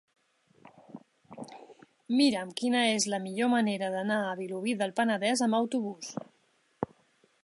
Mira'm quina és la millor manera d'anar a Vilobí del Penedès amb autobús.